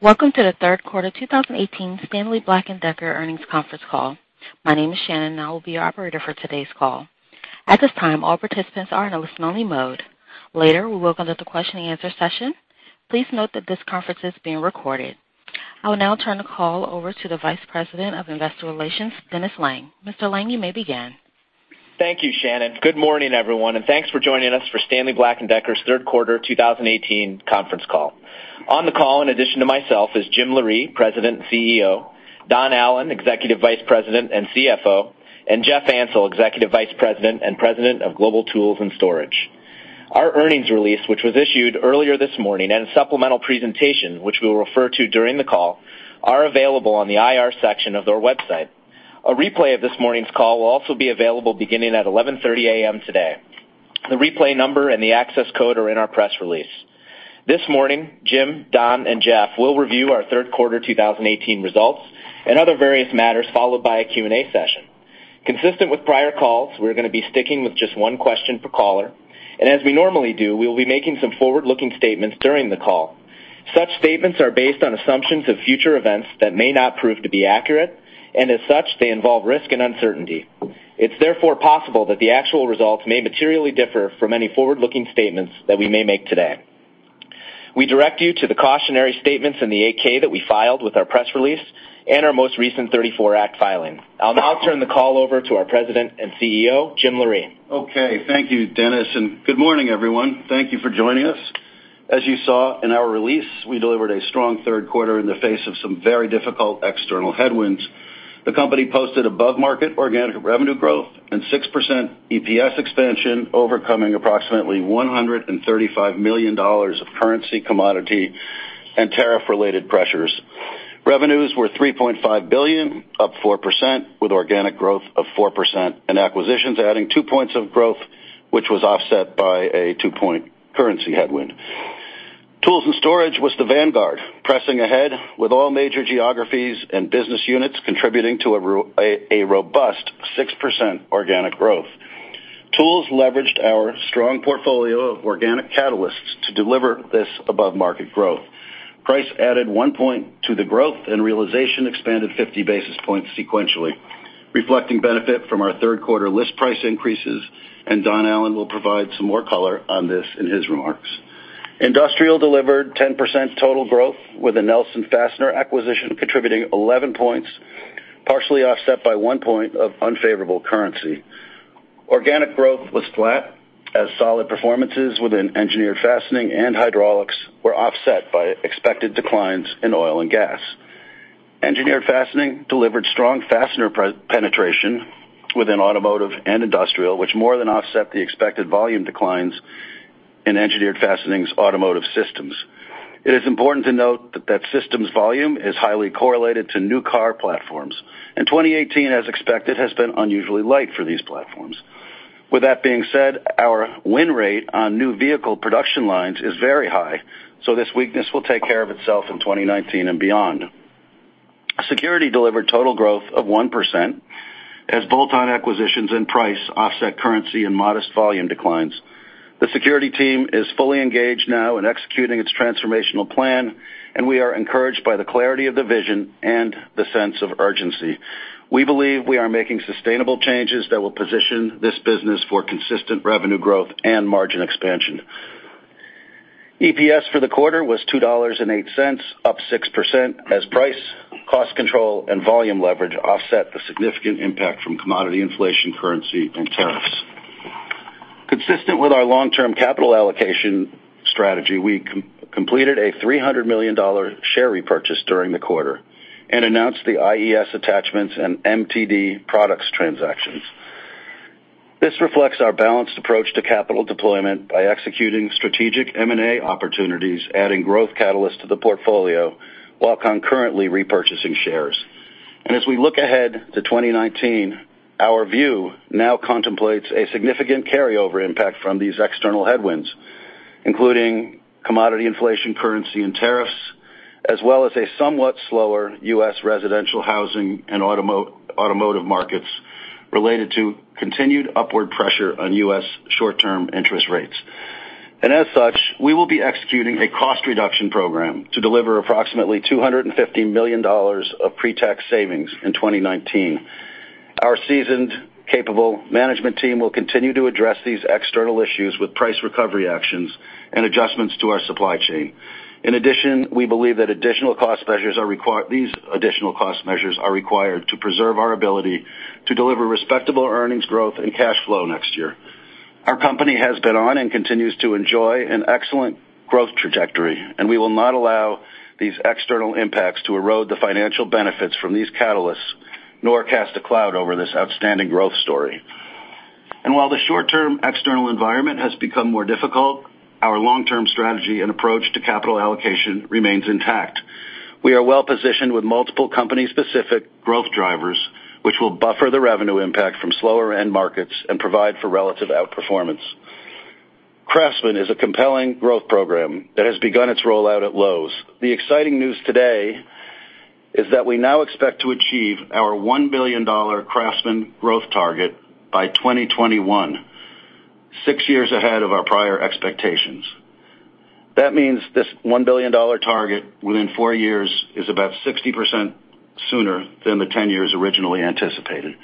Welcome to the third quarter 2018 Stanley Black & Decker earnings conference call. My name is Shannon, and I will be your operator for today's call. At this time, all participants are in listen only mode. Later, we will conduct a question and answer session. Please note that this conference is being recorded. I will now turn the call over to the Vice President of Investor Relations, Dennis Lange. Mr. Lange, you may begin. Thank you, Shannon. Good morning, everyone, thanks for joining us for Stanley Black & Decker's third quarter 2018 conference call. On the call, in addition to myself, is Jim Loree, President and CEO, Don Allan, Executive Vice President and CFO, Jeff Ansell, Executive Vice President and President of Global Tools and Storage. Our earnings release, which was issued earlier this morning, a supplemental presentation, which we'll refer to during the call, are available on the IR section of their website. A replay of this morning's call will also be available beginning at 11:30 A.M. today. The replay number and the access code are in our press release. Jim, Don, and Jeff will review our third quarter 2018 results and other various matters, followed by a Q&A session. Consistent with prior calls, we're going to be sticking with just one question per caller, as we normally do, we will be making some forward-looking statements during the call. Such statements are based on assumptions of future events that may not prove to be accurate, as such, they involve risk and uncertainty. It's therefore possible that the actual results may materially differ from any forward-looking statements that we may make today. We direct you to the cautionary statements in the 8-K that we filed with our press release and our most recent 34 Act filing. I'll now turn the call over to our President and CEO, Jim Loree. Okay. Thank you, Dennis. Good morning, everyone. Thank you for joining us. As you saw in our release, we delivered a strong third quarter in the face of some very difficult external headwinds. The company posted above-market organic revenue growth and 6% EPS expansion, overcoming approximately $135 million of currency, commodity, and tariff-related pressures. Revenues were $3.5 billion, up 4%, with organic growth of 4% acquisitions adding two points of growth, which was offset by a two-point currency headwind. Tools and storage was the vanguard, pressing ahead with all major geographies and business units contributing to a robust 6% organic growth. Tools leveraged our strong portfolio of organic catalysts to deliver this above-market growth. Price added one point to the growth and realization expanded 50 basis points sequentially, reflecting benefit from our third-quarter list price increases. Don Allan will provide some more color on this in his remarks. Industrial delivered 10% total growth with the Nelson Fastener acquisition contributing 11 points, partially offset by one point of unfavorable currency. Organic growth was flat as solid performances within Engineered Fastening and hydraulics were offset by expected declines in oil and gas. Engineered fastening delivered strong fastener penetration within automotive and industrial, which more than offset the expected volume declines in Engineered Fastening's automotive systems. It is important to note that system's volume is highly correlated to new car platforms. 2018, as expected, has been unusually light for these platforms. With that being said, our win rate on new vehicle production lines is very high. This weakness will take care of itself in 2019 and beyond. Security delivered total growth of 1% as bolt-on acquisitions and price offset currency and modest volume declines. The security team is fully engaged now in executing its transformational plan. We are encouraged by the clarity of the vision and the sense of urgency. We believe we are making sustainable changes that will position this business for consistent revenue growth and margin expansion. EPS for the quarter was $2.08, up 6%, as price, cost control, and volume leverage offset the significant impact from commodity inflation, currency, and tariffs. Consistent with our long-term capital allocation strategy, we completed a $300 million share repurchase during the quarter and announced the IES Attachments and MTD Products transactions. This reflects our balanced approach to capital deployment by executing strategic M&A opportunities, adding growth catalysts to the portfolio, while concurrently repurchasing shares. As we look ahead to 2019, our view now contemplates a significant carryover impact from these external headwinds, including commodity inflation, currency, and tariffs, as well as a somewhat slower U.S. residential housing and automotive markets related to continued upward pressure on U.S. short-term interest rates. As such, we will be executing a cost reduction program to deliver approximately $250 million of pre-tax savings in 2019. Our seasoned capable management team will continue to address these external issues with price recovery actions and adjustments to our supply chain. In addition, we believe that these additional cost measures are required to preserve our ability to deliver respectable earnings growth and cash flow next year. Our company has been on and continues to enjoy an excellent growth trajectory. We will not allow these external impacts to erode the financial benefits from these catalysts, nor cast a cloud over this outstanding growth story. While the short-term external environment has become more difficult, our long-term strategy and approach to capital allocation remains intact. We are well-positioned with multiple company-specific growth drivers, which will buffer the revenue impact from slower end markets and provide for relative outperformance. CRAFTSMAN is a compelling growth program that has begun its rollout at Lowe's. The exciting news today is that we now expect to achieve our $1 billion CRAFTSMAN growth target by 2021, six years ahead of our prior expectations. That means this $1 billion target within four years is about 60% sooner than the 10 years originally anticipated.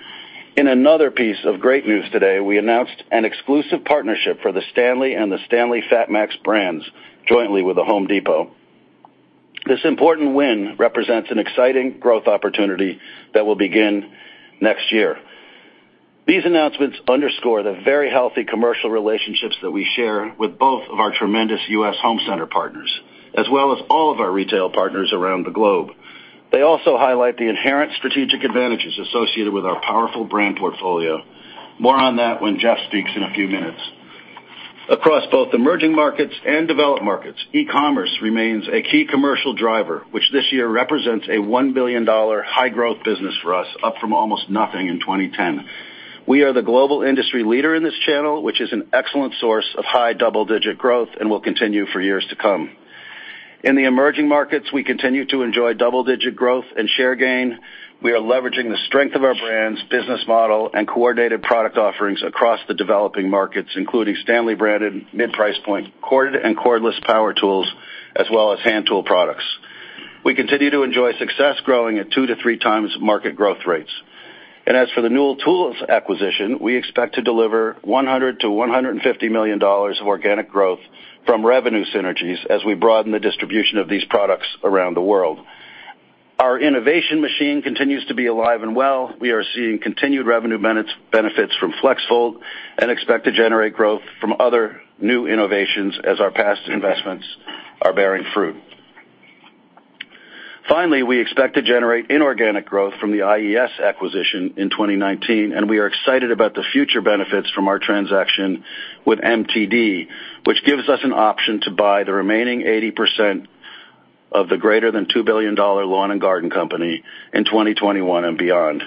In another piece of great news today, we announced an exclusive partnership for the STANLEY and the STANLEY FATMAX brands jointly with The Home Depot. This important win represents an exciting growth opportunity that will begin next year. These announcements underscore the very healthy commercial relationships that we share with both of our tremendous U.S. home center partners, as well as all of our retail partners around the globe. They also highlight the inherent strategic advantages associated with our powerful brand portfolio. More on that when Jeff speaks in a few minutes. Across both emerging markets and developed markets, e-commerce remains a key commercial driver, which this year represents a $1 billion high growth business for us, up from almost nothing in 2010. We are the global industry leader in this channel, which is an excellent source of high double-digit growth and will continue for years to come. In the emerging markets, we continue to enjoy double-digit growth and share gain. We are leveraging the strength of our brands, business model, and coordinated product offerings across the developing markets, including STANLEY-branded mid-price point corded and cordless power tools, as well as hand tool products. We continue to enjoy success growing at two to three times market growth rates. As for the Newell Tools acquisition, we expect to deliver $100 million to $150 million of organic growth from revenue synergies as we broaden the distribution of these products around the world. Our innovation machine continues to be alive and well. We are seeing continued revenue benefits from FLEXVOLT and expect to generate growth from other new innovations as our past investments are bearing fruit. Finally, we expect to generate inorganic growth from the IES acquisition in 2019, and we are excited about the future benefits from our transaction with MTD, which gives us an option to buy the remaining 80% of the greater than $2 billion lawn and garden company in 2021 and beyond.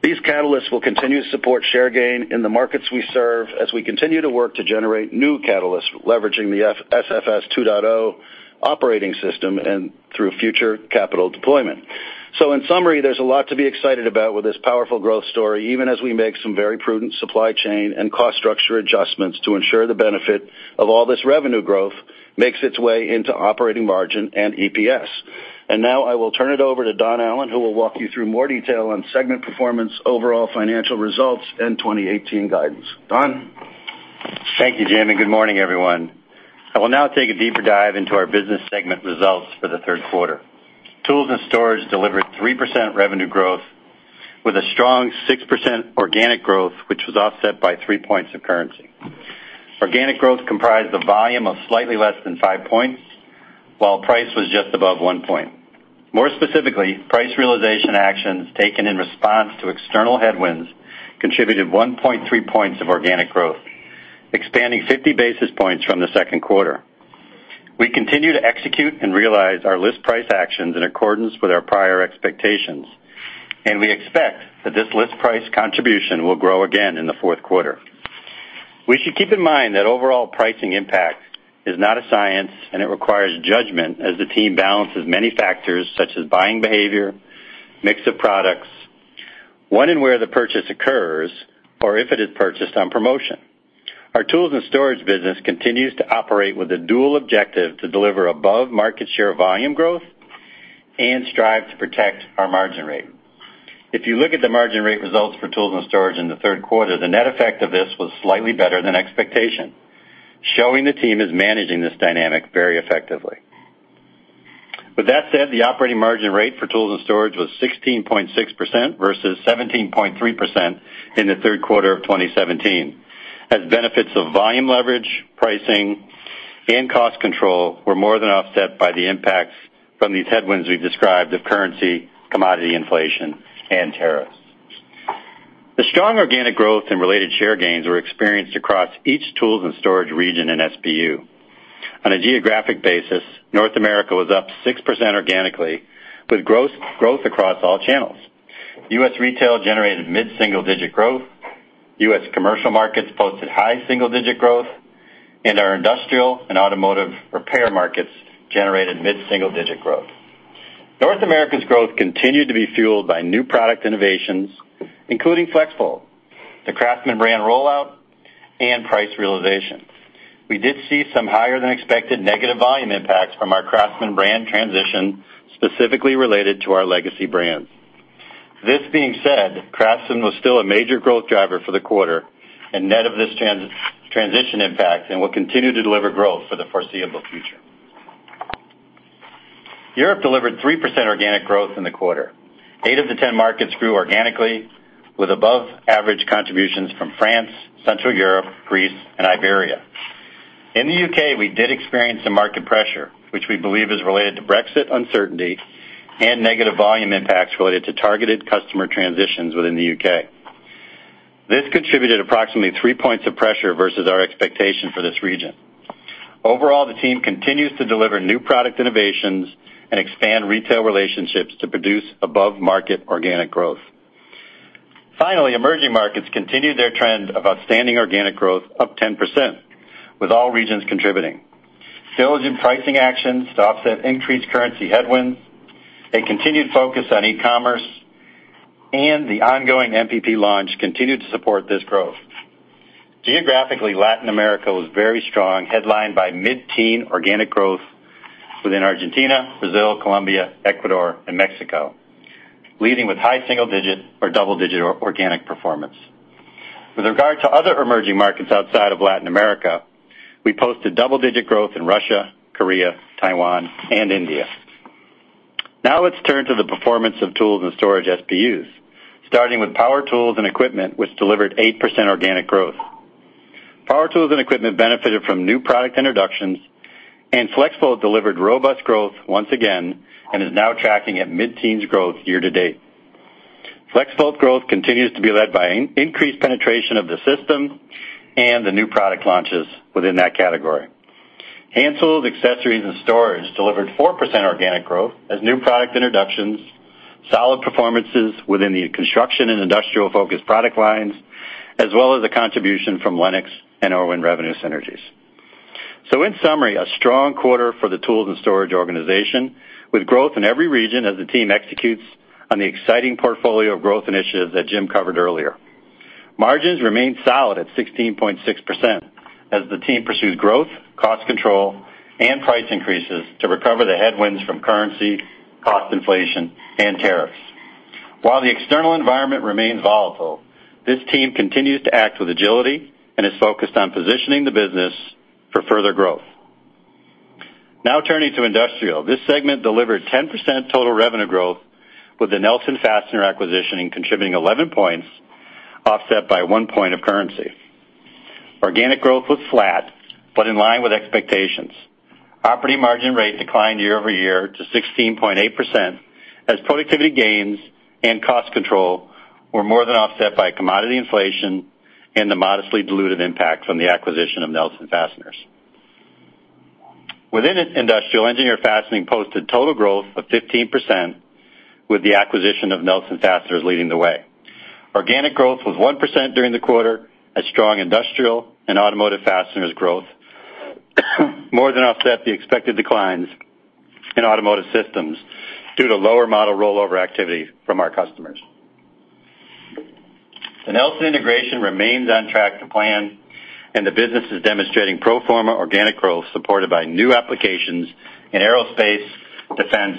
These catalysts will continue to support share gain in the markets we serve as we continue to work to generate new catalysts, leveraging the SFS 2.0 operating system and through future capital deployment. In summary, there's a lot to be excited about with this powerful growth story, even as we make some very prudent supply chain and cost structure adjustments to ensure the benefit of all this revenue growth makes its way into operating margin and EPS. Now I will turn it over to Don Allan, who will walk you through more detail on segment performance, overall financial results, and 2018 guidance. Don? Thank you, Jim, and good morning, everyone. I will now take a deeper dive into our business segment results for the third quarter. Tools and Storage delivered 3% revenue growth with a strong 6% organic growth, which was offset by 3 points of currency. Organic growth comprised a volume of slightly less than 5 points, while price was just above 1 point. More specifically, price realization actions taken in response to external headwinds contributed 1.3 points of organic growth, expanding 50 basis points from the second quarter. We continue to execute and realize our list price actions in accordance with our prior expectations. We expect that this list price contribution will grow again in the fourth quarter. We should keep in mind that overall pricing impact is not a science. It requires judgment as the team balances many factors such as buying behavior, mix of products, when and where the purchase occurs, or if it is purchased on promotion. Our Tools and Storage business continues to operate with a dual objective to deliver above market share volume growth and strive to protect our margin rate. If you look at the margin rate results for Tools and Storage in the third quarter, the net effect of this was slightly better than expectation, showing the team is managing this dynamic very effectively. With that said, the operating margin rate for Tools and Storage was 16.6% versus 17.3% in the third quarter of 2017. Benefits of volume leverage, pricing, and cost control were more than offset by the impacts from these headwinds we've described of currency, commodity inflation, and tariffs. The strong organic growth and related share gains were experienced across each Tools and Storage region in SBU. On a geographic basis, North America was up 6% organically with growth across all channels. U.S. retail generated mid-single digit growth. U.S. commercial markets posted high single digit growth. Our industrial and automotive repair markets generated mid-single digit growth. North America's growth continued to be fueled by new product innovations, including FLEXVOLT, the CRAFTSMAN brand rollout, and price realization. We did see some higher than expected negative volume impacts from our CRAFTSMAN brand transition, specifically related to our legacy brands. This being said, CRAFTSMAN was still a major growth driver for the quarter and net of this transition impact and will continue to deliver growth for the foreseeable future. Europe delivered 3% organic growth in the quarter. Eight of the 10 markets grew organically with above average contributions from France, Central Europe, Greece, and Iberia. In the U.K., we did experience some market pressure, which we believe is related to Brexit uncertainty and negative volume impacts related to targeted customer transitions within the U.K. This contributed approximately 3 points of pressure versus our expectation for this region. Overall, the team continues to deliver new product innovations and expand retail relationships to produce above-market organic growth. Finally, emerging markets continued their trend of outstanding organic growth up 10%, with all regions contributing. Sales and pricing actions to offset increased currency headwinds, a continued focus on e-commerce. The ongoing MPP launch continued to support this growth. Geographically, Latin America was very strong, headlined by mid-teen organic growth within Argentina, Brazil, Colombia, Ecuador, and Mexico, leading with high single-digit or double-digit organic performance. With regard to other emerging markets outside of Latin America, we posted double-digit growth in Russia, Korea, Taiwan, and India. Now let's turn to the performance of tools and storage SBUs, starting with power tools and equipment, which delivered 8% organic growth. Power tools and equipment benefited from new product introductions, and FLEXVOLT delivered robust growth once again and is now tracking at mid-teens growth year to date. FLEXVOLT growth continues to be led by increased penetration of the system and the new product launches within that category. Hand tools, accessories, and storage delivered 4% organic growth as new product introductions, solid performances within the construction and industrial-focused product lines, as well as the contribution from LENOX and IRWIN revenue synergies. In summary, a strong quarter for the tools and storage organization, with growth in every region as the team executes on the exciting portfolio of growth initiatives that Jim covered earlier. Margins remain solid at 16.6% as the team pursued growth, cost control, and price increases to recover the headwinds from currency, cost inflation, and tariffs. While the external environment remains volatile, this team continues to act with agility and is focused on positioning the business for further growth. Now turning to industrial. This segment delivered 10% total revenue growth with the Nelson Fastener acquisition and contributing 11 points, offset by one point of currency. Organic growth was flat, but in line with expectations. Operating margin rate declined year-over-year to 16.8% as productivity gains and cost control were more than offset by commodity inflation and the modestly dilutive impact from the acquisition of Nelson Fasteners. Within industrial, Engineered Fastening posted total growth of 15% with the acquisition of Nelson Fasteners leading the way. Organic growth was 1% during the quarter as strong industrial and automotive fasteners growth more than offset the expected declines in automotive systems due to lower model rollover activity from our customers. The Nelson integration remains on track to plan, and the business is demonstrating pro forma organic growth supported by new applications in aerospace, defense,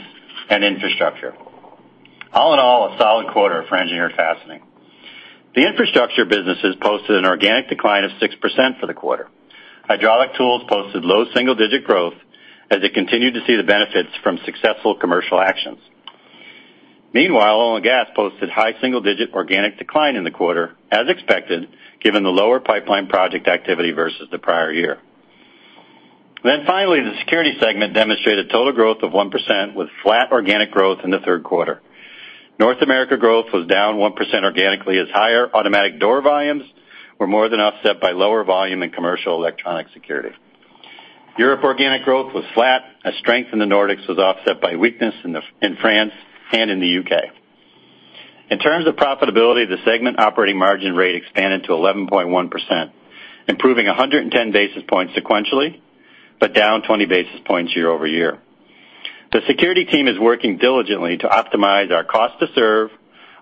and infrastructure. In all, a solid quarter for Engineered Fastening. The infrastructure businesses posted an organic decline of 6% for the quarter. Hydraulic tools posted low double-digit growth as it continued to see the benefits from successful commercial actions. Meanwhile, oil and gas posted high single-digit organic decline in the quarter, as expected, given the lower pipeline project activity versus the prior year. Finally, the security segment demonstrated total growth of 1% with flat organic growth in the third quarter. North America growth was down 1% organically as higher automatic door volumes were more than offset by lower volume in commercial electronic security. Europe organic growth was flat as strength in the Nordics was offset by weakness in France and in the U.K. In terms of profitability, the segment operating margin rate expanded to 11.1%, improving 110 basis points sequentially, but down 20 basis points year-over-year. The security team is working diligently to optimize our cost to serve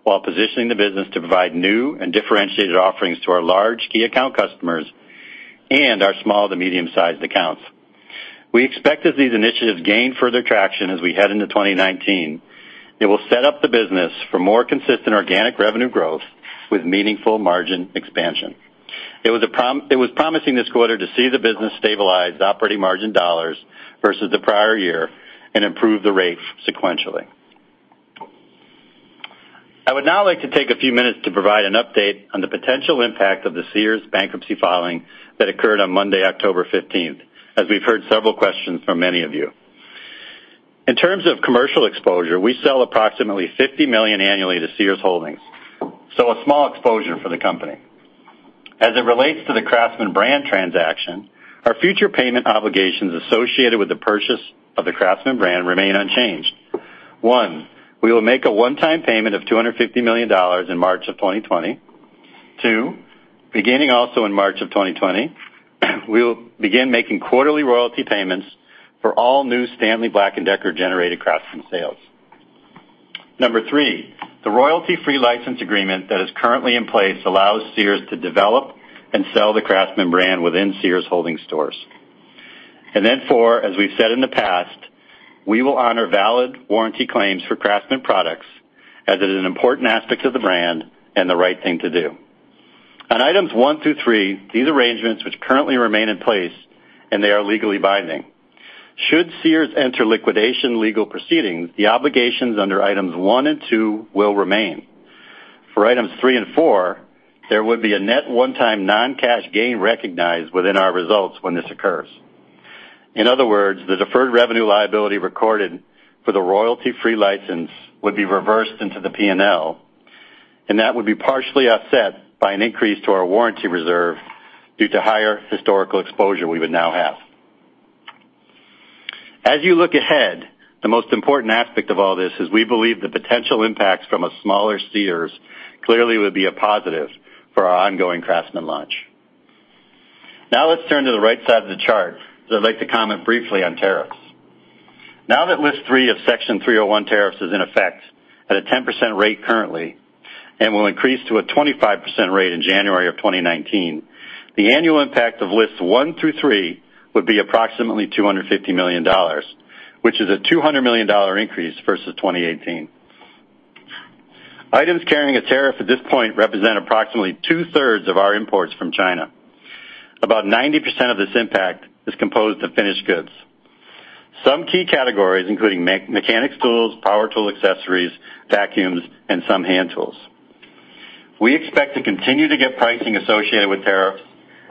while positioning the business to provide new and differentiated offerings to our large key account customers and our small to medium-sized accounts. We expect as these initiatives gain further traction as we head into 2019, it will set up the business for more consistent organic revenue growth with meaningful margin expansion. It was promising this quarter to see the business stabilize operating margin dollars versus the prior year and improve the rate sequentially. I would now like to take a few minutes to provide an update on the potential impact of the Sears bankruptcy filing that occurred on Monday, October 15th, as we've heard several questions from many of you. In terms of commercial exposure, we sell approximately $50 million annually to Sears Holdings, so a small exposure for the company. As it relates to the CRAFTSMAN brand transaction, our future payment obligations associated with the purchase of the CRAFTSMAN brand remain unchanged. 1, we will make a one-time payment of $250 million in March of 2020. 2, beginning also in March of 2020, we will begin making quarterly royalty payments for all new Stanley Black & Decker-generated CRAFTSMAN sales. 3, the royalty-free license agreement that is currently in place allows Sears to develop and sell the CRAFTSMAN brand within Sears Holdings stores. Then 4, as we've said in the past, we will honor valid warranty claims for CRAFTSMAN products as it is an important aspect of the brand and the right thing to do. On items 1 through 3, these arrangements, which currently remain in place, and they are legally binding. Should Sears enter liquidation legal proceedings, the obligations under items 1 and 2 will remain. For items 3 and 4, there would be a net one-time non-cash gain recognized within our results when this occurs. In other words, the deferred revenue liability recorded for the royalty-free license would be reversed into the P&L, and that would be partially offset by an increase to our warranty reserve due to higher historical exposure we would now have. As you look ahead, the most important aspect of all this is we believe the potential impacts from a smaller Sears clearly would be a positive for our ongoing CRAFTSMAN launch. Let's turn to the right side of the chart, because I'd like to comment briefly on tariffs. Now that list 3 of Section 301 tariffs is in effect at a 10% rate currently, and will increase to a 25% rate in January of 2019, the annual impact of lists 1 through 3 would be approximately $250 million, which is a $200 million increase versus 2018. Items carrying a tariff at this point represent approximately two-thirds of our imports from China. About 90% of this impact is composed of finished goods. Some key categories including mechanics tools, power tool accessories, vacuums, and some hand tools. We expect to continue to get pricing associated with tariffs,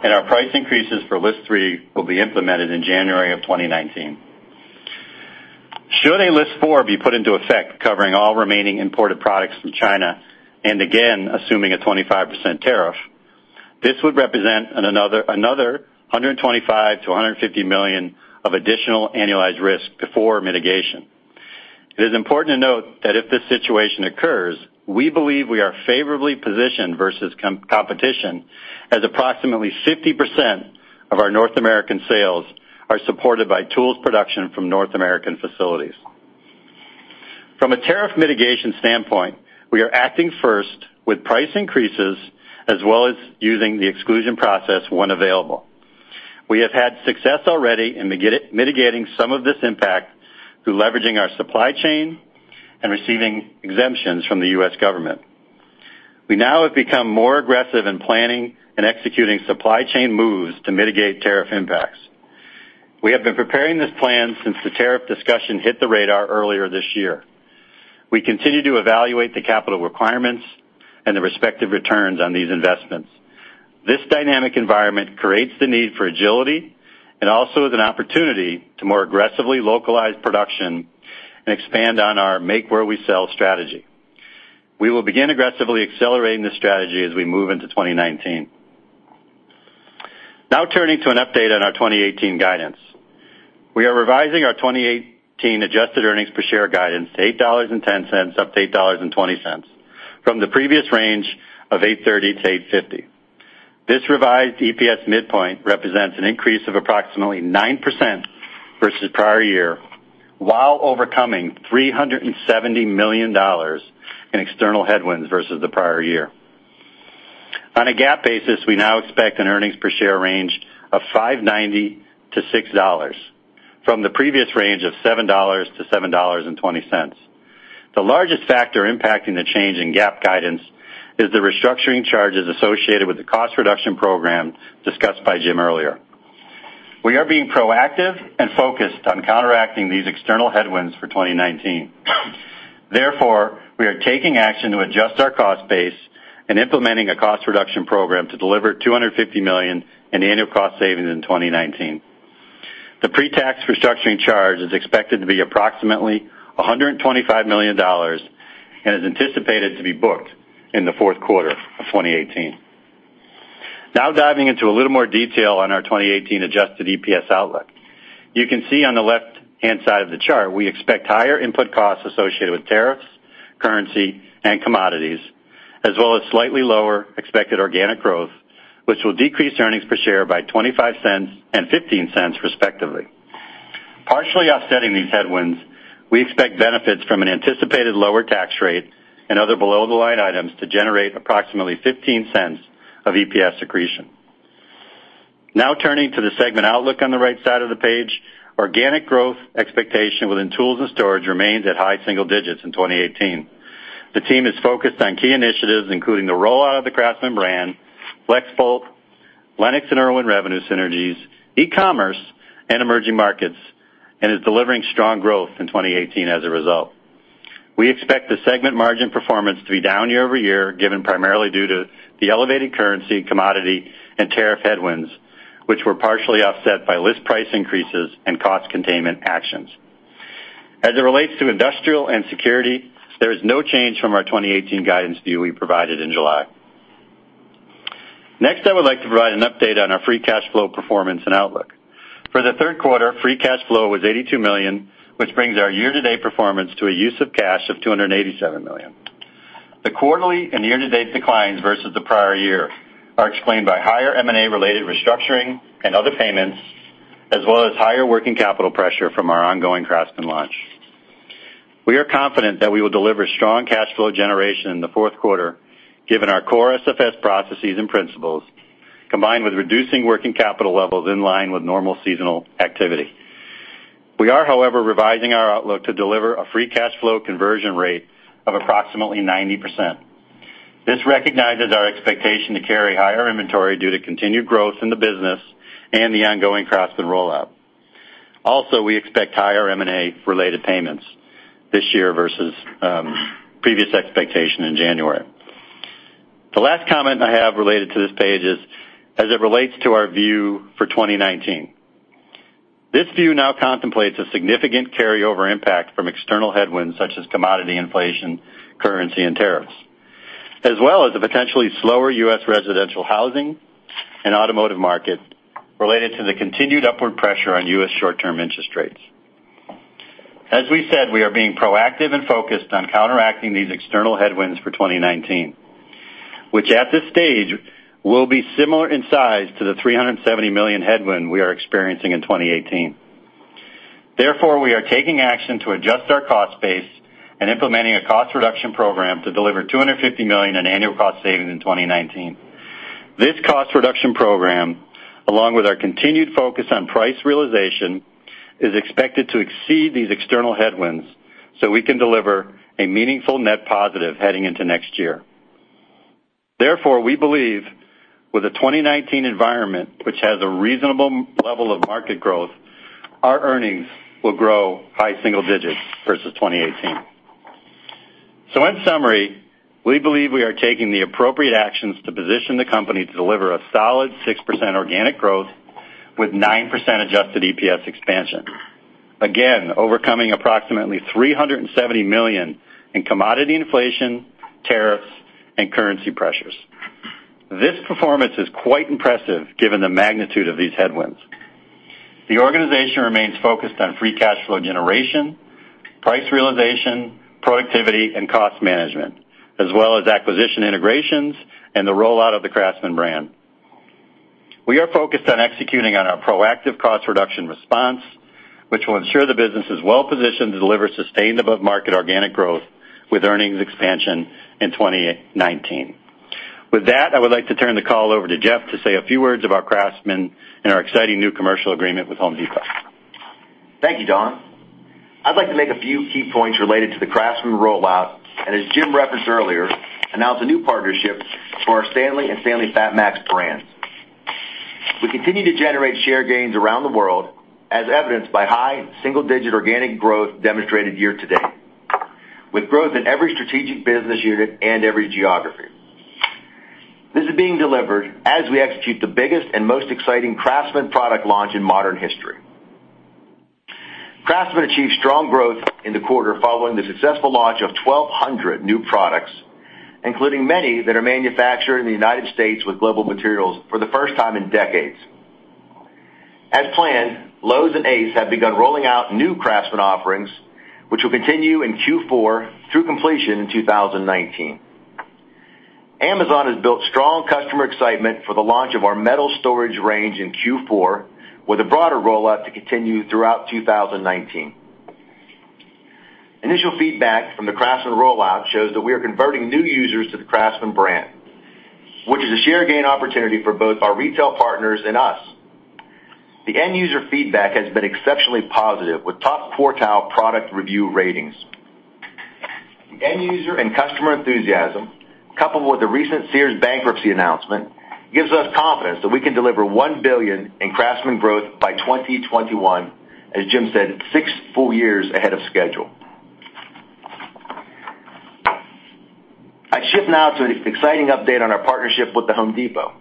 and our price increases for list 3 will be implemented in January of 2019. Should a list 4 be put into effect covering all remaining imported products from China, and again, assuming a 25% tariff, this would represent another $125 million-$150 million of additional annualized risk before mitigation. It is important to note that if this situation occurs, we believe we are favorably positioned versus competition, as approximately 50% of our North American sales are supported by tools production from North American facilities. From a tariff mitigation standpoint, we are acting first with price increases as well as using the exclusion process when available. We have had success already in mitigating some of this impact through leveraging our supply chain and receiving exemptions from the U.S. government. We now have become more aggressive in planning and executing supply chain moves to mitigate tariff impacts. We have been preparing this plan since the tariff discussion hit the radar earlier this year. We continue to evaluate the capital requirements and the respective returns on these investments. This dynamic environment creates the need for agility and also is an opportunity to more aggressively localize production and expand on our make where we sell strategy. We will begin aggressively accelerating this strategy as we move into 2019. Turning to an update on our 2018 guidance. We are revising our 2018 adjusted earnings per share guidance to $8.10-$8.20 from the previous range of $8.30-$8.50. This revised EPS midpoint represents an increase of approximately 9% versus prior year, while overcoming $370 million in external headwinds versus the prior year. On a GAAP basis, we now expect an earnings per share range of $5.90-$6 from the previous range of $7-$7.20. The largest factor impacting the change in GAAP guidance is the restructuring charges associated with the cost reduction program discussed by Jim earlier. We are being proactive and focused on counteracting these external headwinds for 2019. We are taking action to adjust our cost base and implementing a cost reduction program to deliver $250 million in annual cost savings in 2019. The pre-tax restructuring charge is expected to be approximately $125 million and is anticipated to be booked in the fourth quarter of 2018. Diving into a little more detail on our 2018 adjusted EPS outlook. You can see on the left-hand side of the chart, we expect higher input costs associated with tariffs, currency, and commodities, as well as slightly lower expected organic growth, which will decrease earnings per share by $0.25 and $0.15 respectively. Partially offsetting these headwinds, we expect benefits from an anticipated lower tax rate and other below-the-line items to generate approximately $0.15 of EPS accretion. Turning to the segment outlook on the right side of the page. Organic growth expectation within tools and storage remains at high single digits in 2018. The team is focused on key initiatives including the rollout of the CRAFTSMAN brand, FLEXVOLT, LENOX and IRWIN revenue synergies, e-commerce, and emerging markets, and is delivering strong growth in 2018 as a result. We expect the segment margin performance to be down year-over-year, given primarily due to the elevated currency, commodity, and tariff headwinds, which were partially offset by list price increases and cost containment actions. As it relates to industrial and security, there is no change from our 2018 guidance view we provided in July. Next, I would like to provide an update on our free cash flow performance and outlook. For the third quarter, free cash flow was $82 million, which brings our year-to-date performance to a use of cash of $287 million. The quarterly and year-to-date declines versus the prior year are explained by higher M&A related restructuring and other payments, as well as higher working capital pressure from our ongoing CRAFTSMAN launch. We are confident that we will deliver strong cash flow generation in the fourth quarter given our core SFS processes and principles, combined with reducing working capital levels in line with normal seasonal activity. We are, however, revising our outlook to deliver a free cash flow conversion rate of approximately 90%. This recognizes our expectation to carry higher inventory due to continued growth in the business and the ongoing CRAFTSMAN rollout. Also, we expect higher M&A related payments this year versus previous expectation in January. The last comment I have related to this page is as it relates to our view for 2019. This view now contemplates a significant carryover impact from external headwinds such as commodity inflation, currency, and tariffs. As well as a potentially slower U.S. residential housing and automotive market related to the continued upward pressure on U.S. short-term interest rates. As we said, we are being proactive and focused on counteracting these external headwinds for 2019, which at this stage will be similar in size to the $370 million headwind we are experiencing in 2018. We are taking action to adjust our cost base and implementing a cost reduction program to deliver $250 million in annual cost savings in 2019. This cost reduction program, along with our continued focus on price realization, is expected to exceed these external headwinds so we can deliver a meaningful net positive heading into next year. We believe with a 2019 environment, which has a reasonable level of market growth, our earnings will grow high single digits versus 2018. In summary, we believe we are taking the appropriate actions to position the company to deliver a solid 6% organic growth with 9% adjusted EPS expansion, again, overcoming approximately $370 million in commodity inflation, tariffs, and currency pressures. This performance is quite impressive given the magnitude of these headwinds. The organization remains focused on free cash flow generation, price realization, productivity, and cost management, as well as acquisition integrations and the rollout of the CRAFTSMAN brand. We are focused on executing on our proactive cost reduction response, which will ensure the business is well positioned to deliver sustained above-market organic growth with earnings expansion in 2019. With that, I would like to turn the call over to Jeff to say a few words about CRAFTSMAN and our exciting new commercial agreement with Home Depot. Thank you, Don. I'd like to make a few key points related to the CRAFTSMAN rollout, and as Jim referenced earlier, announce a new partnership for our STANLEY and STANLEY FATMAX brands. We continue to generate share gains around the world, as evidenced by high single-digit organic growth demonstrated year to date, with growth in every strategic business unit and every geography. This is being delivered as we execute the biggest and most exciting CRAFTSMAN product launch in modern history. CRAFTSMAN achieved strong growth in the quarter following the successful launch of 1,200 new products, including many that are manufactured in the U.S. with global materials for the first time in decades. As planned, Lowe's and Ace have begun rolling out new CRAFTSMAN offerings, which will continue in Q4 through completion in 2019. Amazon has built strong customer excitement for the launch of our metal storage range in Q4, with a broader rollout to continue throughout 2019. Initial feedback from the CRAFTSMAN rollout shows that we are converting new users to the CRAFTSMAN brand, which is a share gain opportunity for both our retail partners and us. The end user feedback has been exceptionally positive, with top quartile product review ratings. End user and customer enthusiasm, coupled with the recent Sears bankruptcy announcement, gives us confidence that we can deliver $1 billion in CRAFTSMAN growth by 2021, as Jim said, six full years ahead of schedule. I'd shift now to an exciting update on our partnership with The Home Depot.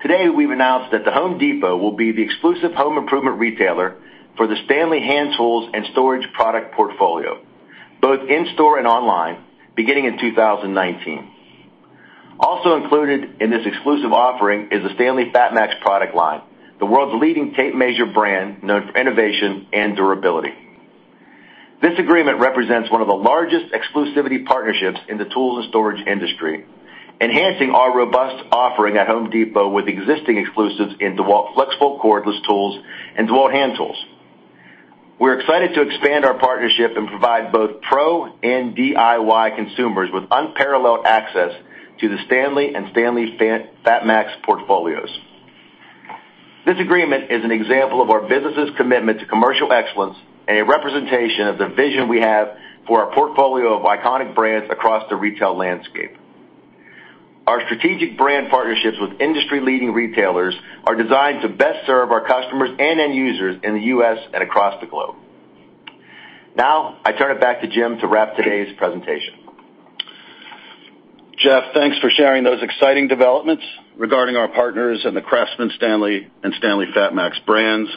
Today, we've announced that The Home Depot will be the exclusive home improvement retailer for the STANLEY hand tools and storage product portfolio, both in-store and online, beginning in 2019. Also included in this exclusive offering is the STANLEY FATMAX product line, the world's leading tape measure brand known for innovation and durability. This agreement represents one of the largest exclusivity partnerships in the tools and storage industry, enhancing our robust offering at The Home Depot with existing exclusives in DEWALT FLEXVOLT cordless tools and DEWALT hand tools. We're excited to expand our partnership and provide both pro and DIY consumers with unparalleled access to the STANLEY and STANLEY FATMAX portfolios. This agreement is an example of our business' commitment to commercial excellence and a representation of the vision we have for our portfolio of iconic brands across the retail landscape. Our strategic brand partnerships with industry-leading retailers are designed to best serve our customers and end users in the U.S. and across the globe. I turn it back to Jim to wrap today's presentation. Jeff, thanks for sharing those exciting developments regarding our partners and the CRAFTSMAN, STANLEY, and STANLEY FATMAX brands.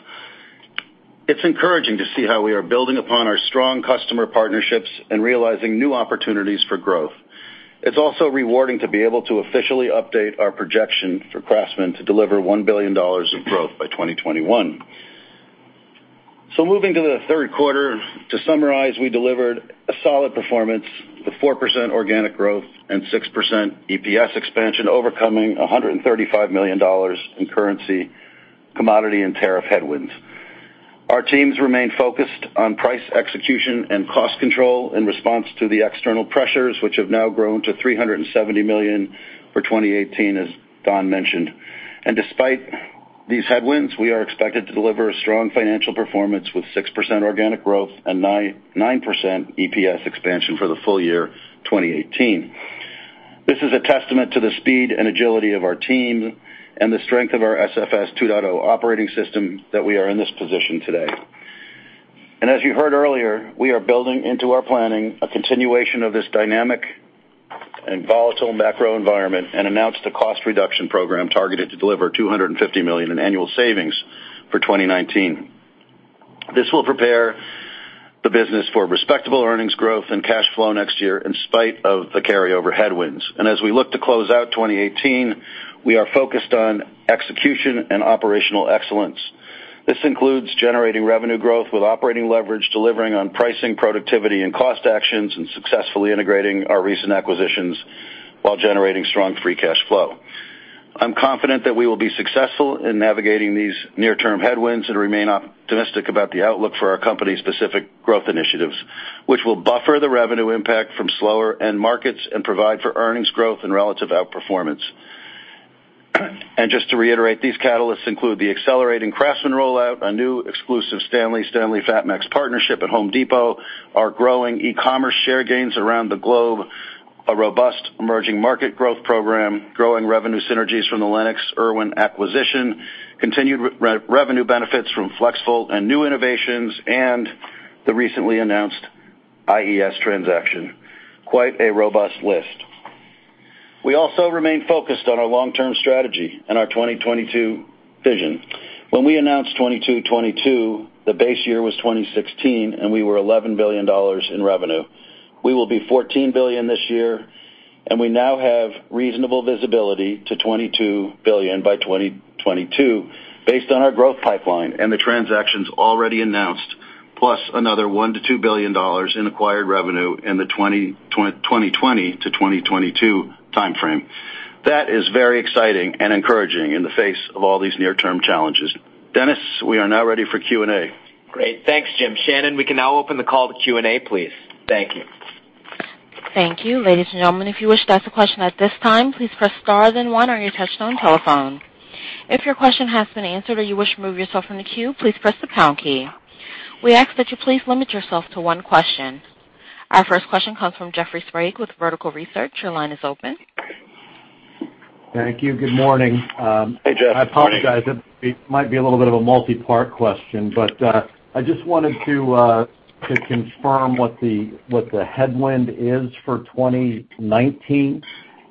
It's encouraging to see how we are building upon our strong customer partnerships and realizing new opportunities for growth. It's also rewarding to be able to officially update our projection for CRAFTSMAN to deliver $1 billion of growth by 2021. Moving to the third quarter, to summarize, we delivered a solid performance with 4% organic growth and 6% EPS expansion, overcoming $135 million in currency, commodity, and tariff headwinds. Our teams remain focused on price execution and cost control in response to the external pressures, which have now grown to $370 million for 2018, as Don mentioned. Despite these headwinds, we are expected to deliver a strong financial performance with 6% organic growth and 9% EPS expansion for the full year 2018. This is a testament to the speed and agility of our team and the strength of our SFS 2.0 operating system that we are in this position today. As you heard earlier, we are building into our planning a continuation of this dynamic and volatile macro environment and announced a cost reduction program targeted to deliver $250 million in annual savings for 2019. This will prepare the business for respectable earnings growth and cash flow next year in spite of the carryover headwinds. As we look to close out 2018, we are focused on execution and operational excellence. This includes generating revenue growth with operating leverage, delivering on pricing, productivity, and cost actions, and successfully integrating our recent acquisitions while generating strong free cash flow. I'm confident that we will be successful in navigating these near-term headwinds and remain optimistic about the outlook for our company's specific growth initiatives, which will buffer the revenue impact from slower end markets and provide for earnings growth and relative outperformance. Just to reiterate, these catalysts include the accelerating CRAFTSMAN rollout, a new exclusive STANLEY-STANLEY FATMAX partnership at Home Depot, our growing e-commerce share gains around the globe, a robust emerging market growth program, growing revenue synergies from the LENOX IRWIN acquisition, continued revenue benefits from FLEXVOLT and new innovations, and the recently announced IES transaction. Quite a robust list. We also remain focused on our long-term strategy and our 2022 vision. When we announced 22/22, the base year was 2016, and we were $11 billion in revenue. We will be $14 billion this year, and we now have reasonable visibility to $22 billion by 2022 based on our growth pipeline and the transactions already announced, plus another $1 billion-$2 billion in acquired revenue in the 2020 to 2022 timeframe. That is very exciting and encouraging in the face of all these near-term challenges. Dennis, we are now ready for Q&A. Great. Thanks, Jim. Shannon, we can now open the call to Q&A, please. Thank you. Thank you. Ladies and gentlemen, if you wish to ask a question at this time, please press star then one on your touchtone telephone. If your question has been answered or you wish to remove yourself from the queue, please press the pound key. We ask that you please limit yourself to one question. Our first question comes from Jeffrey Sprague with Vertical Research. Your line is open. Thank you. Good morning. Hey, Jeff. Good morning. I apologize. It might be a little bit of a multi-part question, but I just wanted to confirm what the headwind is for 2019.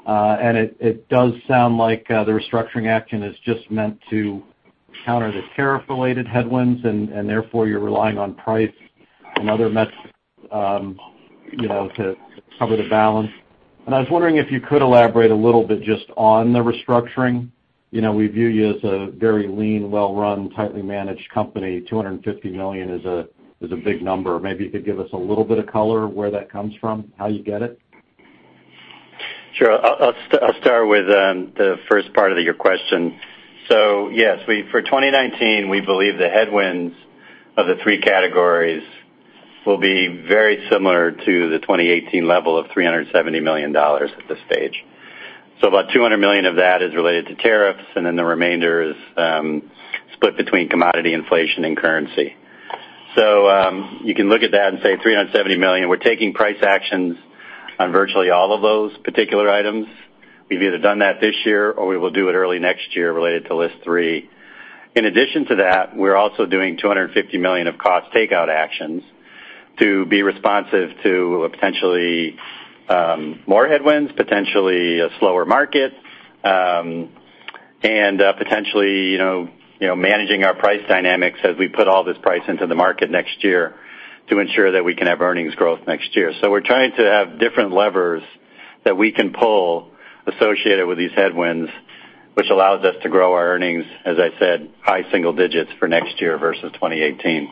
It does sound like the restructuring action is just meant to counter the tariff-related headwinds, and therefore, you're relying on price and other methods to cover the balance. I was wondering if you could elaborate a little bit just on the restructuring. We view you as a very lean, well-run, tightly managed company. $250 million is a big number. Maybe you could give us a little bit of color where that comes from, how you get it. Sure. I'll start with the first part of your question. Yes, for 2019, we believe the headwinds of the three categories will be very similar to the 2018 level of $370 million at this stage. About $200 million of that is related to tariffs, then the remainder is split between commodity inflation and currency. You can look at that and say $370 million, we're taking price actions on virtually all of those particular items. We've either done that this year, or we will do it early next year related to list three. In addition to that, we're also doing $250 million of cost takeout actions to be responsive to potentially more headwinds, potentially a slower market, and potentially managing our price dynamics as we put all this price into the market next year to ensure that we can have earnings growth next year. We're trying to have different levers that we can pull associated with these headwinds, which allows us to grow our earnings, as I said, high single digits for next year versus 2018.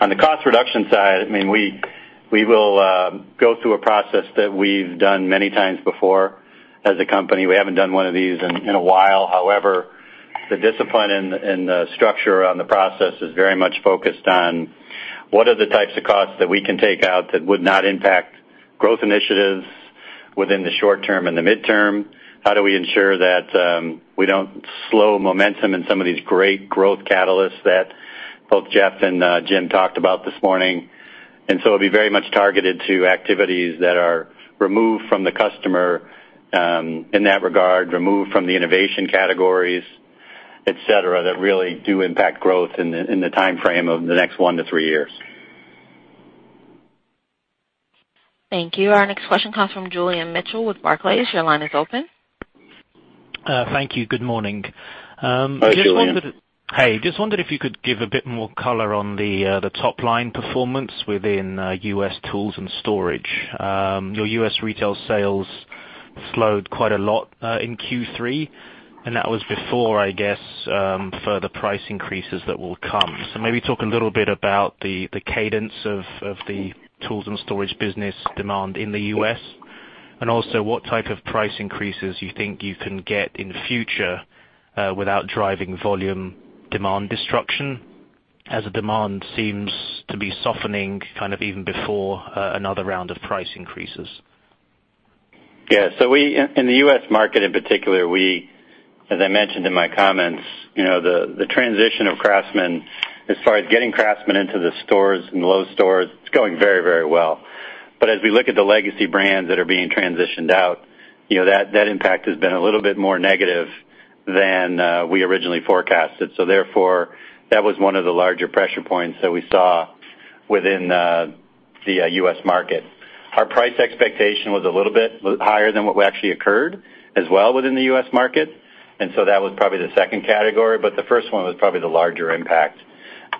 On the cost reduction side, we will go through a process that we've done many times before as a company. We haven't done one of these in a while. However, the discipline and the structure around the process is very much focused on what are the types of costs that we can take out that would not impact growth initiatives within the short term and the midterm. How do we ensure that we don't slow momentum in some of these great growth catalysts that both Jeff and Jim talked about this morning? It'll be very much targeted to activities that are removed from the customer, in that regard, removed from the innovation categories, et cetera, that really do impact growth in the timeframe of the next one to three years. Thank you. Our next question comes from Julian Mitchell with Barclays. Your line is open. Thank you. Good morning. Hi, Julian. Hey. Just wondered if you could give a bit more color on the top-line performance within U.S. tools and storage. Your U.S. retail sales slowed quite a lot in Q3, and that was before, I guess, further price increases that will come. Maybe talk a little bit about the cadence of the tools and storage business demand in the U.S., and also what type of price increases you think you can get in the future without driving volume demand destruction, as the demand seems to be softening kind of even before another round of price increases. Yeah. In the U.S. market in particular, as I mentioned in my comments, the transition of CRAFTSMAN, as far as getting CRAFTSMAN into the stores and Lowe's stores, it's going very, very well. As we look at the legacy brands that are being transitioned out, that impact has been a little bit more negative than we originally forecasted. Therefore, that was one of the larger pressure points that we saw within the U.S. market. Our price expectation was a little bit higher than what actually occurred as well within the U.S. market, and so that was probably the second category, but the first one was probably the larger impact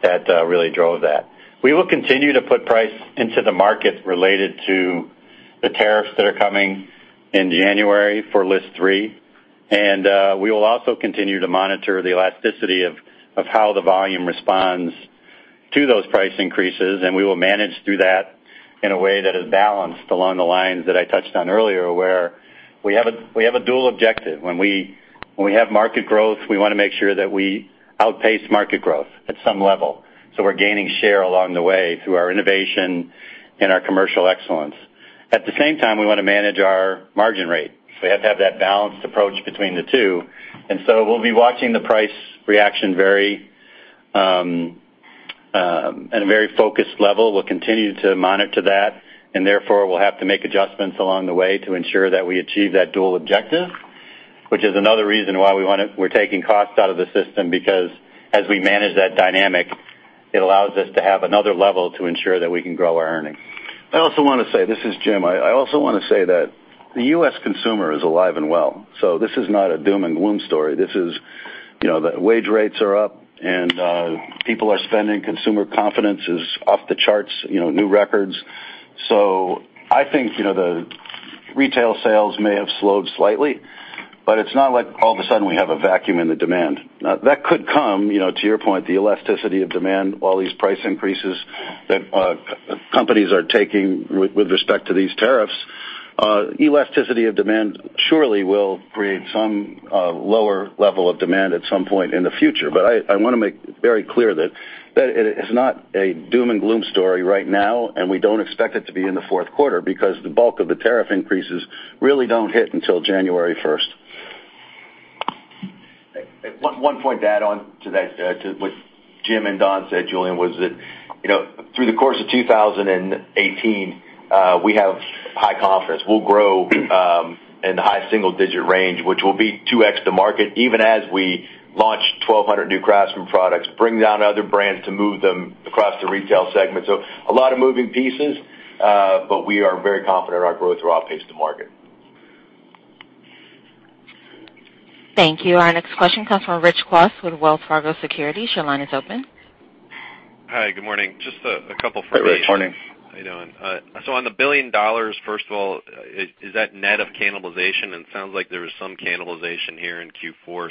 that really drove that. We will continue to put price into the market related to The tariffs that are coming in January for list three. We will also continue to monitor the elasticity of how the volume responds to those price increases, and we will manage through that in a way that is balanced along the lines that I touched on earlier, where we have a dual objective. When we have market growth, we want to make sure that we outpace market growth at some level, so we're gaining share along the way through our innovation and our commercial excellence. At the same time, we want to manage our margin rate. We have to have that balanced approach between the two, and we'll be watching the price reaction at a very focused level. We'll continue to monitor that. Therefore, we'll have to make adjustments along the way to ensure that we achieve that dual objective, which is another reason why we're taking costs out of the system, because as we manage that dynamic, it allows us to have another level to ensure that we can grow our earnings. I also want to say, this is Jim. I also want to say that the U.S. consumer is alive and well. This is not a doom and gloom story. The wage rates are up. People are spending. Consumer confidence is off the charts, new records. I think, the retail sales may have slowed slightly, but it's not like all of a sudden we have a vacuum in the demand. That could come. To your point, the elasticity of demand, all these price increases that companies are taking with respect to these tariffs. Elasticity of demand surely will create some lower level of demand at some point in the future. I want to make very clear that it is not a doom and gloom story right now. We don't expect it to be in the fourth quarter because the bulk of the tariff increases really don't hit until January 1st. One point to add on to what Jim and Don said, Julian, was that through the course of 2018, we have high confidence. We'll grow in the high single-digit range, which will be 2x the market, even as we launch 1,200 new CRAFTSMAN products, bring down other brands to move them across the retail segment. A lot of moving pieces, but we are very confident our growth will outpace the market. Thank you. Our next question comes from Rich Kwas with Wells Fargo Securities. Your line is open. Hi, good morning. Just a couple questions. Hi, Rich. Morning. How you doing? On the $1 billion, first of all, is that net of cannibalization? It sounds like there was some cannibalization here in Q4 or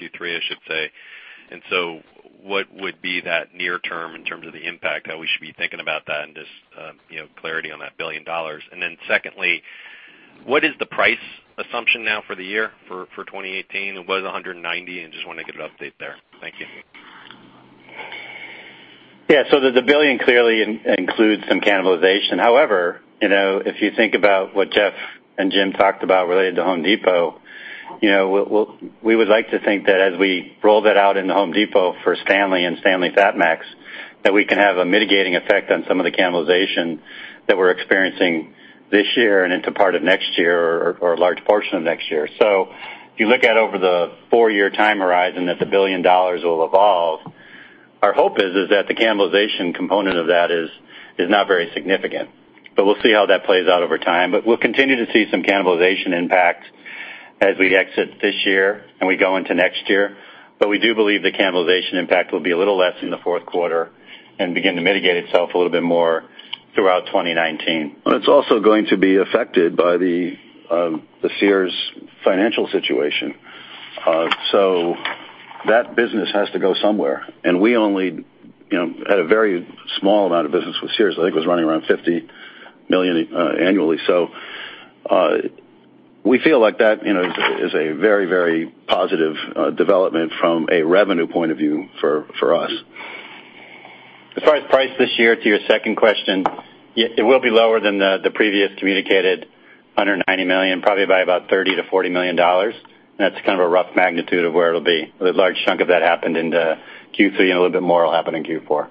Q3, I should say. What would be that near term in terms of the impact, how we should be thinking about that and just clarity on that $1 billion. Secondly, what is the price assumption now for the year for 2018? It was $190, just want to get an update there. Thank you. The $1 billion clearly includes some cannibalization. However, if you think about what Jeff and Jim talked about related to Home Depot, we would like to think that as we roll that out into Home Depot for STANLEY and STANLEY FATMAX, that we can have a mitigating effect on some of the cannibalization that we're experiencing this year and into part of next year or a large portion of next year. If you look at over the four-year time horizon that the $1 billion will evolve, our hope is that the cannibalization component of that is not very significant. We'll see how that plays out over time. We'll continue to see some cannibalization impact as we exit this year and we go into next year. We do believe the cannibalization impact will be a little less in the fourth quarter and begin to mitigate itself a little bit more throughout 2019. It's also going to be affected by the Sears financial situation. That business has to go somewhere, and we only had a very small amount of business with Sears. I think it was running around $50 million annually. We feel like that is a very positive development from a revenue point of view for us. As far as price this year, to your second question, it will be lower than the previous communicated $190 million, probably by about $30 million-$40 million. That's kind of a rough magnitude of where it'll be. A large chunk of that happened in Q3, and a little bit more will happen in Q4.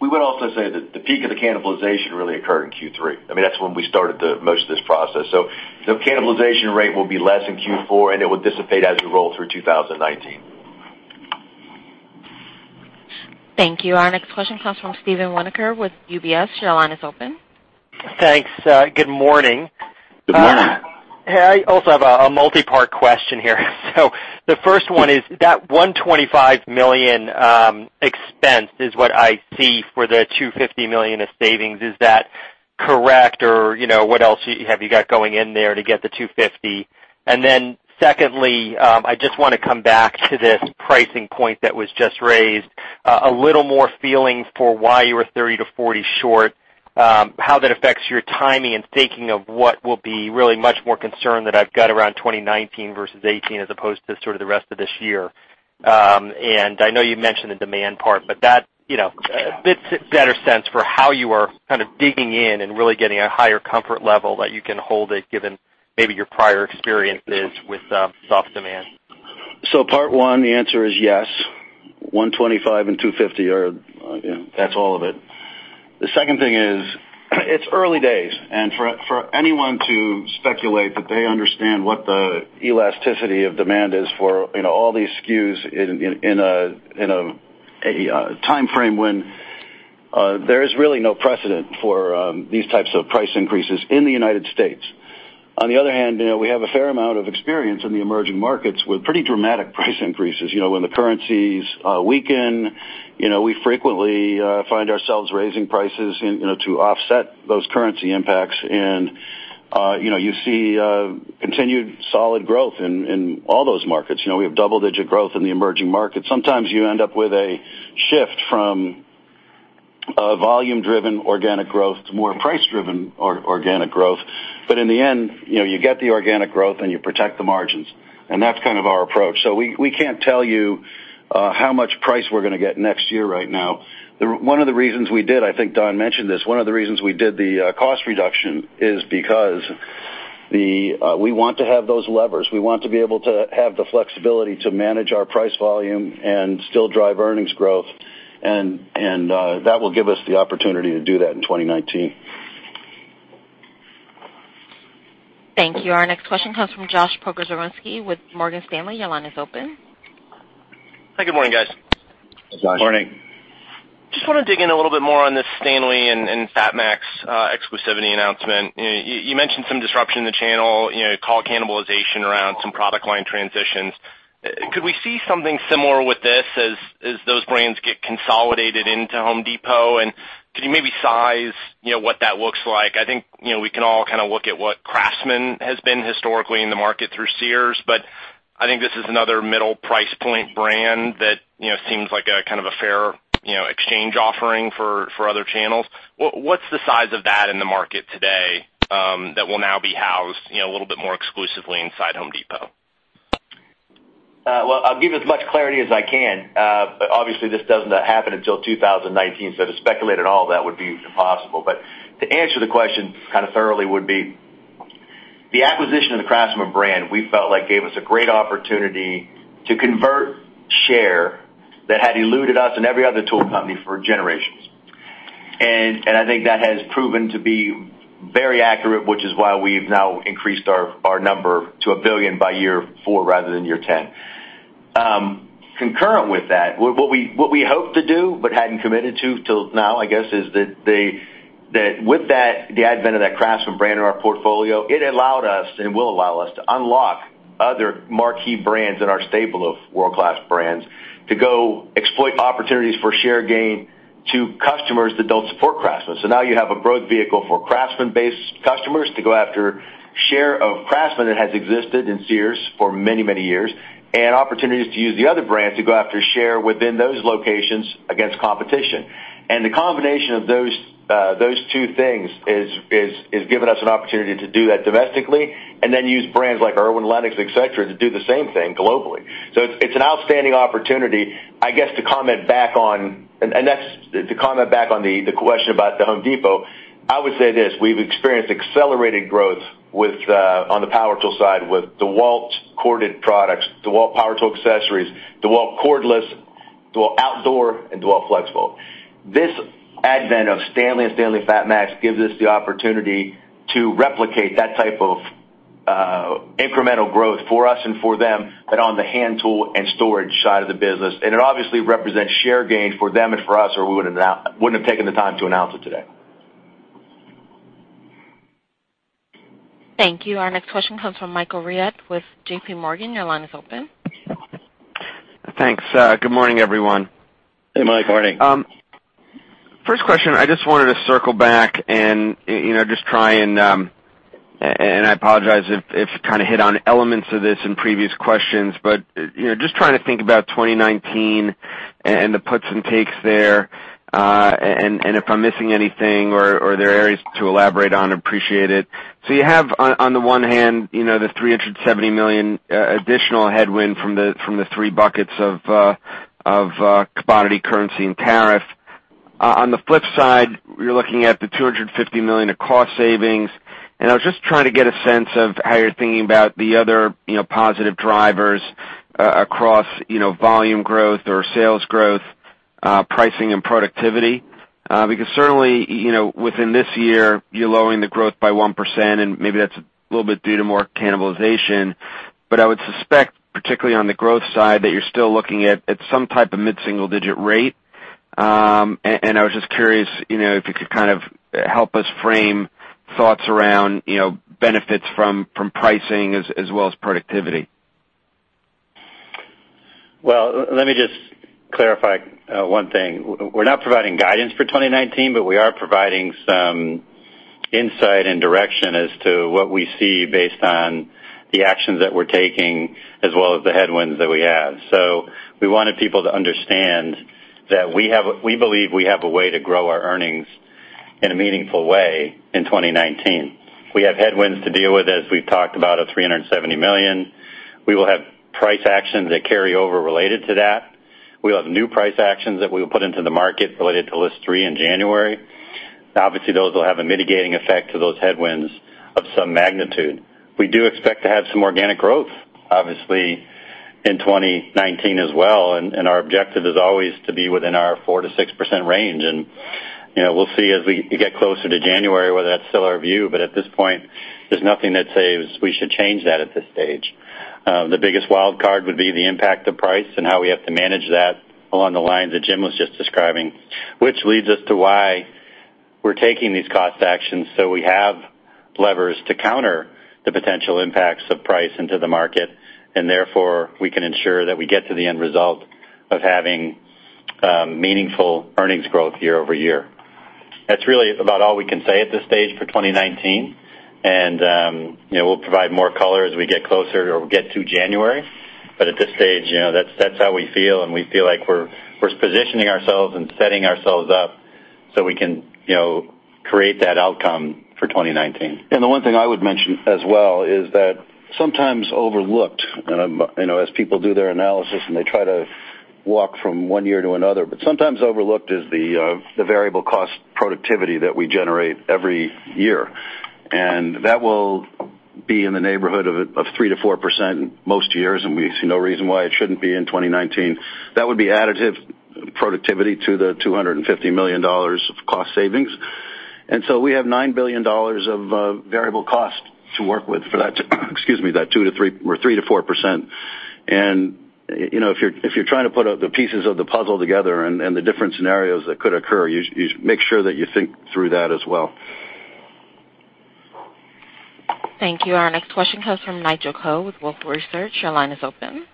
We would also say that the peak of the cannibalization really occurred in Q3. That's when we started the most of this process. The cannibalization rate will be less in Q4, and it will dissipate as we roll through 2019. Thank you. Our next question comes from Steven Winoker with UBS. Your line is open. Thanks. Good morning. Good morning. Hey, I also have a multi-part question here. The first one is that $125 million expense is what I see for the $250 million of savings. Is that correct, or what else have you got going in there to get the 250? Secondly, I just want to come back to this pricing point that was just raised. A little more feeling for why you were 30 to 40 short, how that affects your timing and thinking of what will be really much more concern that I've got around 2019 versus 2018 as opposed to sort of the rest of this year. I know you mentioned the demand part, but a bit better sense for how you are kind of digging in and really getting a higher comfort level that you can hold it given maybe your prior experiences with soft demand. Part one, the answer is yes. 125 and 250. That's all of it. The second thing is, it's early days, for anyone to speculate that they understand what the elasticity of demand is for all these SKUs in a timeframe when there is really no precedent for these types of price increases in the U.S. On the other hand, we have a fair amount of experience in the emerging markets with pretty dramatic price increases. When the currencies weaken, we frequently find ourselves raising prices to offset those currency impacts. You see continued solid growth in all those markets. We have double-digit growth in the emerging markets. Sometimes you end up with a shift from a volume-driven organic growth to more price-driven organic growth. In the end, you get the organic growth, and you protect the margins. That's kind of our approach. We can't tell you how much price we're going to get next year right now. I think Don mentioned this. One of the reasons we did the cost reduction is because we want to have those levers. We want to be able to have the flexibility to manage our price volume and still drive earnings growth. That will give us the opportunity to do that in 2019. Thank you. Our next question comes from Joshua Pokrzywinski with Morgan Stanley. Your line is open. Hi, good morning, guys. Hey, Josh. Good morning. Just want to dig in a little bit more on this STANLEY and FATMAX exclusivity announcement. You mentioned some disruption in the channel, call cannibalization around some product line transitions. Could we see something similar with this as those brands get consolidated into The Home Depot? Could you maybe size what that looks like? I think we can all kind of look at what CRAFTSMAN has been historically in the market through Sears, but I think this is another middle price point brand that seems like a kind of a fair exchange offering for other channels. What's the size of that in the market today that will now be housed a little bit more exclusively inside The Home Depot? Well, I'll give as much clarity as I can. Obviously this doesn't happen until 2019, so to speculate on all that would be impossible. To answer the question kind of thoroughly would be, the acquisition of the CRAFTSMAN brand, we felt like gave us a great opportunity to convert share that had eluded us and every other tool company for generations. I think that has proven to be very accurate, which is why we've now increased our number to $1 billion by year four rather than year 10. Concurrent with that, what we hoped to do but hadn't committed to till now, I guess, is that with the advent of that CRAFTSMAN brand in our portfolio, it allowed us and will allow us to unlock other marquee brands in our stable of world-class brands to go exploit opportunities for share gain to customers that don't support CRAFTSMAN. Now you have a growth vehicle for CRAFTSMAN-based customers to go after share of CRAFTSMAN that has existed in Sears for many years, and opportunities to use the other brands to go after share within those locations against competition. The combination of those two things has given us an opportunity to do that domestically and then use brands like IRWIN, LENOX, et cetera, to do the same thing globally. It's an outstanding opportunity. To comment back on the question about The Home Depot, I would say this. We've experienced accelerated growth on the power tool side with DEWALT corded products, DEWALT power tool accessories, DEWALT cordless, DEWALT outdoor, and DEWALT FLEXVOLT. This advent of STANLEY and STANLEY FATMAX gives us the opportunity to replicate that type of incremental growth for us and for them, but on the hand tool and storage side of the business. It obviously represents share gain for them and for us, or we wouldn't have taken the time to announce it today. Thank you. Our next question comes from Michael Rehaut with JPMorgan. Your line is open. Thanks. Good morning, everyone. Hey, Mike. Morning. First question, I just wanted to circle back and just try and I apologize if you kind of hit on elements of this in previous questions. Just trying to think about 2019 and the puts and takes there, and if I'm missing anything or there are areas to elaborate on, appreciate it. You have, on the one hand, the $370 million additional headwind from the three buckets of commodity, currency, and tariff. On the flip side, you're looking at the $250 million of cost savings. I was just trying to get a sense of how you're thinking about the other positive drivers across volume growth or sales growth, pricing, and productivity. Certainly, within this year, you're lowering the growth by 1%, and maybe that's a little bit due to more cannibalization. I would suspect, particularly on the growth side, that you're still looking at some type of mid-single-digit rate. I was just curious if you could kind of help us frame thoughts around benefits from pricing as well as productivity. Well, let me just clarify one thing. We're not providing guidance for 2019, but we are providing some insight and direction as to what we see based on the actions that we're taking, as well as the headwinds that we have. We wanted people to understand that we believe we have a way to grow our earnings in a meaningful way in 2019. We have headwinds to deal with, as we've talked about, of $370 million. We will have price actions that carry over related to that. We will have new price actions that we will put into the market related to List 3 in January. Obviously, those will have a mitigating effect to those headwinds of some magnitude. We do expect to have some organic growth, obviously, in 2019 as well, and our objective is always to be within our 4%-6% range. We'll see as we get closer to January whether that's still our view, but at this point, there's nothing that says we should change that at this stage. The biggest wildcard would be the impact of price and how we have to manage that along the lines that Jim was just describing, which leads us to why we're taking these cost actions, so we have levers to counter the potential impacts of price into the market, and therefore, we can ensure that we get to the end result of having meaningful earnings growth year-over-year. That's really about all we can say at this stage for 2019. We'll provide more color as we get closer or get to January. At this stage, that's how we feel, and we feel like we're positioning ourselves and setting ourselves up so we can create that outcome for 2019. The one thing I would mention as well is that sometimes overlooked, as people do their analysis and they try to walk from one year to another, sometimes overlooked is the variable cost productivity that we generate every year. That will be in the neighborhood of 3%-4% most years, and we see no reason why it shouldn't be in 2019. That would be additive productivity to the $250 million of cost savings. We have $9 billion of variable cost to work with for that 2%-3% or 3%-4%. If you're trying to put the pieces of the puzzle together and the different scenarios that could occur, you make sure that you think through that as well. Thank you. Our next question comes from Nigel Coe with Wolfe Research. Your line is open.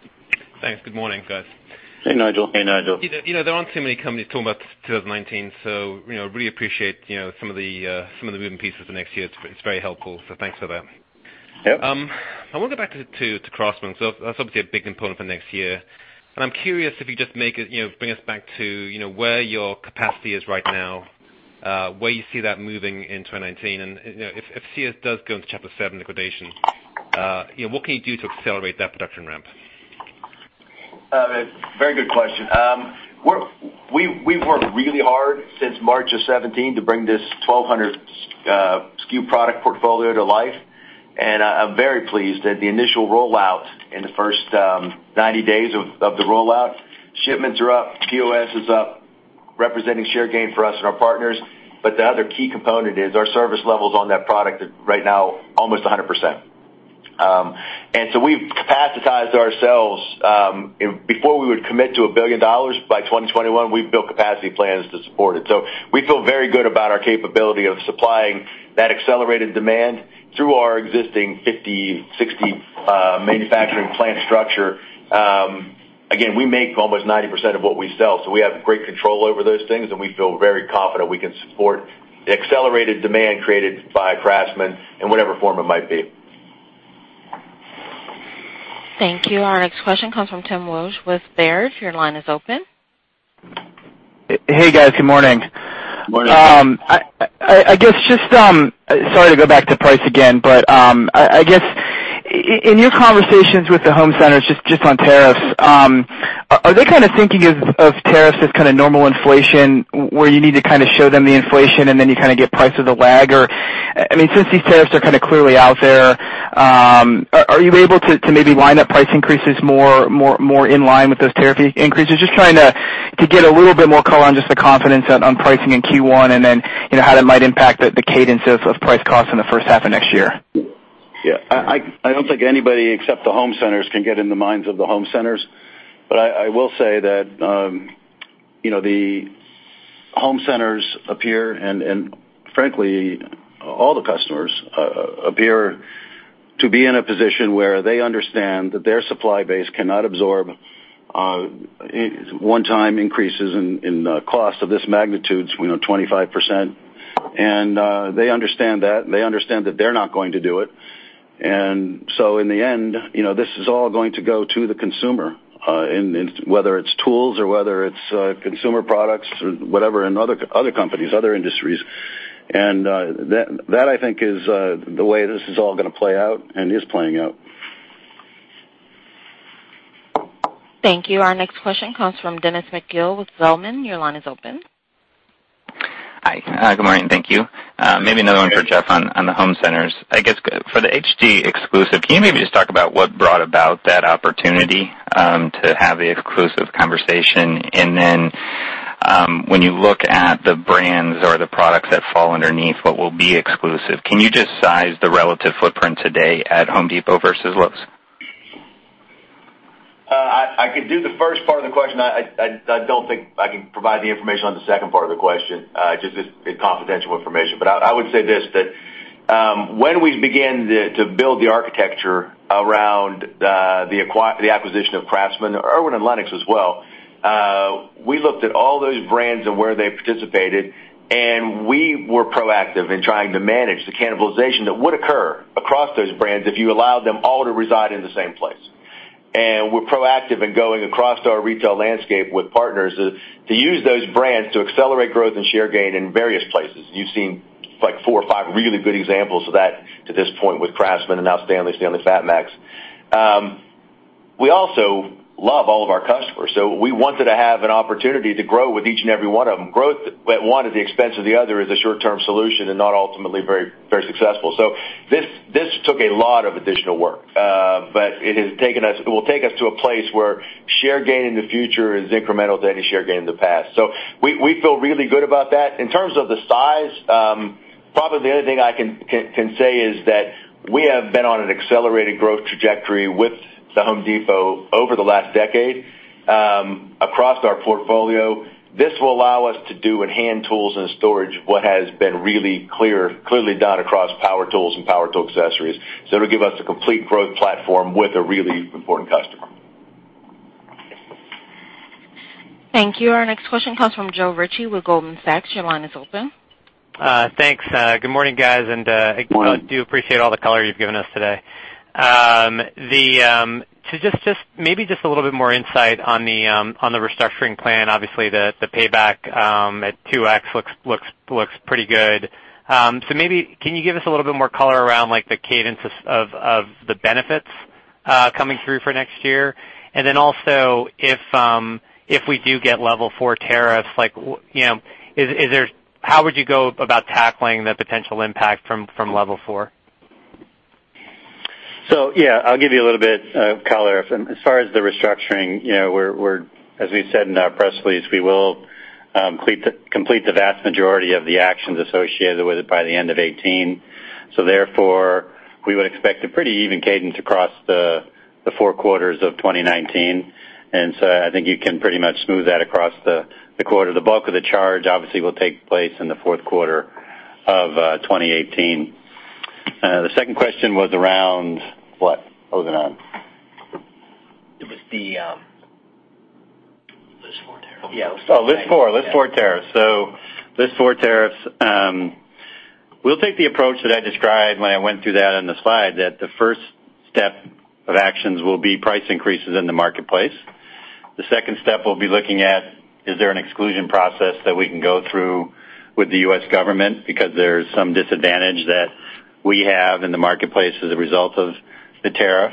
Thanks. Good morning, guys. Hey, Nigel. Hey, Nigel. There aren't too many companies talking about 2019, really appreciate some of the moving pieces for next year. It's very helpful, so thanks for that. Yep. I want to go back to CRAFTSMAN. That's obviously a big component for next year. I'm curious if you just bring us back to where your capacity is right now, where you see that moving in 2019. If Sears does go into Chapter 7 liquidation, what can you do to accelerate that production ramp? Very good question. We've worked really hard since March of 2017 to bring this 1,200 SKU product portfolio to life, and I'm very pleased at the initial rollout in the first 90 days of the rollout. Shipments are up, POS is up, representing share gain for us and our partners. The other key component is our service levels on that product right now, almost 100%. We've capacitized ourselves. Before we would commit to a $1 billion by 2021, we've built capacity plans to support it. We feel very good about our capability of supplying that accelerated demand through our existing 50, 60 manufacturing plant structure. Again, we make almost 90% of what we sell, so we have great control over those things, and we feel very confident we can support the accelerated demand created by CRAFTSMAN in whatever form it might be. Thank you. Our next question comes from Timothy Wojs with Baird. Your line is open. Hey, guys. Good morning. Morning. Sorry to go back to price again, I guess in your conversations with the home centers, just on tariffs, are they kind of thinking of tariffs as kind of normal inflation, where you need to kind of show them the inflation and then you kind of get prices to lag? Since these tariffs are kind of clearly out there, are you able to maybe line up price increases more in line with those tariff increases? Just trying to get a little bit more color on just the confidence on pricing in Q1, and then how that might impact the cadence of price costs in the first half of next year. Yeah. I don't think anybody except the home centers can get in the minds of the home centers. I will say that the home centers appear, and frankly, all the customers appear to be in a position where they understand that their supply base cannot absorb one-time increases in cost of this magnitude, 25%. They understand that. They understand that they're not going to do it. In the end, this is all going to go to the consumer, whether it's tools or whether it's consumer products or whatever in other companies, other industries. That, I think, is the way this is all going to play out and is playing out. Thank you. Our next question comes from Dennis McGill with Zelman. Your line is open. Hi. Good morning. Thank you. Maybe another one for Jeff on the home centers. I guess for the HG exclusive, can you maybe just talk about what brought about that opportunity to have the exclusive conversation? Then when you look at the brands or the products that fall underneath what will be exclusive, can you just size the relative footprint today at Home Depot versus Lowe's? I could do the first part of the question. I don't think I can provide the information on the second part of the question. Just it's confidential information. I would say this, that when we began to build the architecture around the acquisition of CRAFTSMAN, IRWIN and LENOX as well, we looked at all those brands and where they participated, we were proactive in trying to manage the cannibalization that would occur across those brands if you allowed them all to reside in the same place. We're proactive in going across our retail landscape with partners to use those brands to accelerate growth and share gain in various places. You've seen like four or five really good examples of that to this point with CRAFTSMAN and now STANLEY FATMAX. We also love all of our customers, we wanted to have an opportunity to grow with each and every one of them. Growth at one at the expense of the other is a short-term solution and not ultimately very successful. This took a lot of additional work. It will take us to a place where share gain in the future is incremental to any share gain in the past. We feel really good about that. In terms of the size Probably the only thing I can say is that we have been on an accelerated growth trajectory with The Home Depot over the last decade across our portfolio. This will allow us to do in hand tools and storage what has been really clearly done across power tools and power tool accessories. It'll give us a complete growth platform with a really important customer. Thank you. Our next question comes from Joe Ritchie with Goldman Sachs. Your line is open. Thanks. Good morning, guys, and I do appreciate all the color you've given us today. Maybe just a little bit more insight on the restructuring plan. Obviously, the payback at 2x looks pretty good. Maybe, can you give us a little bit more color around the cadence of the benefits coming through for next year? Also, if we do get level 4 tariffs, how would you go about tackling the potential impact from level 4? Yeah, I'll give you a little bit of color. As far as the restructuring, as we said in our press release, we will complete the vast majority of the actions associated with it by the end of 2018. Therefore, we would expect a pretty even cadence across the four quarters of 2019. I think you can pretty much smooth that across the quarter. The bulk of the charge obviously will take place in the fourth quarter of 2018. The second question was around what? What was it on? It was the- List four tariff. Yeah. Oh, list four tariff. List four tariffs. We'll take the approach that I described when I went through that on the slide, that the first step of actions will be price increases in the marketplace. The second step we'll be looking at, is there an exclusion process that we can go through with the U.S. government because there's some disadvantage that we have in the marketplace as a result of the tariff.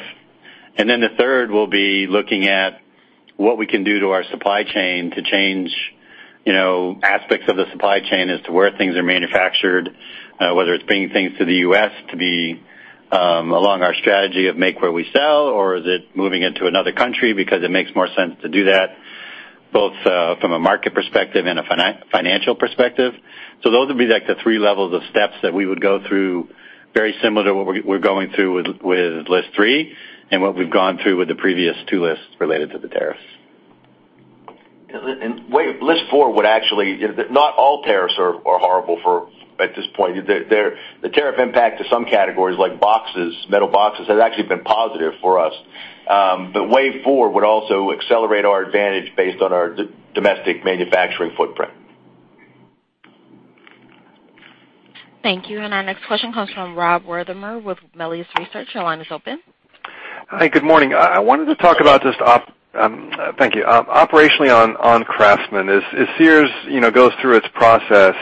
The third, we'll be looking at what we can do to our supply chain to change aspects of the supply chain as to where things are manufactured, whether it's bringing things to the U.S. to be along our strategy of make where we sell, or is it moving into another country because it makes more sense to do that, both from a market perspective and a financial perspective. Those would be the 3 levels of steps that we would go through, very similar to what we're going through with list three and what we've gone through with the previous two lists related to the tariffs. List four would not all tariffs are horrible at this point. The tariff impact to some categories, like boxes, metal boxes, has actually been positive for us. Wave four would also accelerate our advantage based on our domestic manufacturing footprint. Thank you. Our next question comes from Rob Wertheimer with Medley's Research. Your line is open. Hi, good morning. I wanted to talk about just thank you. Operationally on CRAFTSMAN. As Sears goes through its process,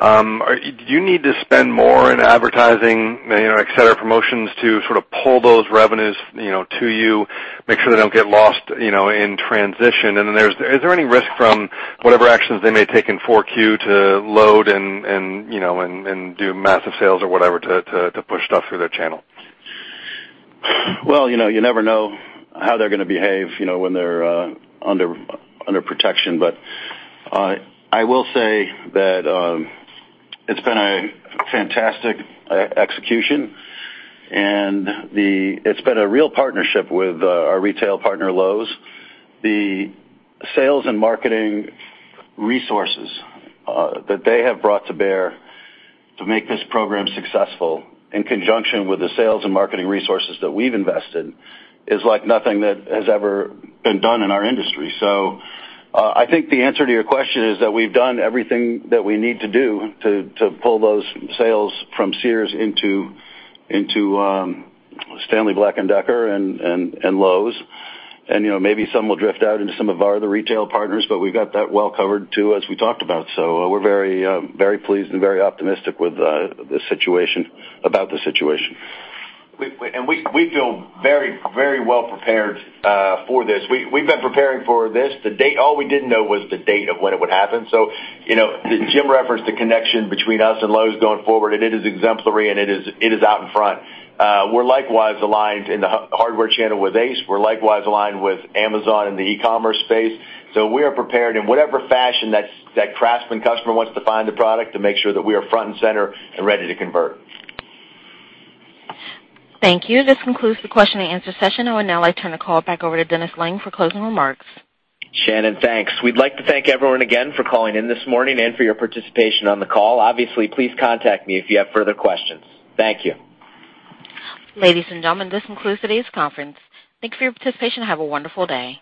do you need to spend more in advertising, et cetera, promotions to sort of pull those revenues to you, make sure they don't get lost in transition? Is there any risk from whatever actions they may take in 4Q to load and do massive sales or whatever to push stuff through their channel? Well, you never know how they're going to behave when they're under protection. I will say that it's been a fantastic execution, and it's been a real partnership with our retail partner, Lowe's. The sales and marketing resources that they have brought to bear to make this program successful, in conjunction with the sales and marketing resources that we've invested, is like nothing that has ever been done in our industry. I think the answer to your question is that we've done everything that we need to do to pull those sales from Sears into Stanley Black & Decker and Lowe's. Maybe some will drift out into some of our other retail partners, but we've got that well covered too, as we talked about. We're very pleased and very optimistic about the situation. We feel very well prepared for this. We've been preparing for this. All we didn't know was the date of when it would happen. Jim referenced the connection between us and Lowe's going forward, and it is exemplary, and it is out in front. We're likewise aligned in the hardware channel with Ace. We're likewise aligned with Amazon in the e-commerce space. We are prepared in whatever fashion that CRAFTSMAN customer wants to find a product to make sure that we are front and center and ready to convert. Thank you. This concludes the question and answer session. I would now like to turn the call back over to Dennis Lange for closing remarks. Shannon, thanks. We'd like to thank everyone again for calling in this morning and for your participation on the call. Obviously, please contact me if you have further questions. Thank you. Ladies and gentlemen, this concludes today's conference. Thank you for your participation and have a wonderful day.